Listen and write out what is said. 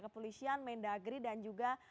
kepolisian mendagri dan juga